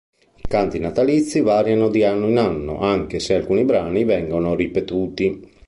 I canti natalizi variano di anno in anno, anche se alcuni brani vengono ripetuti.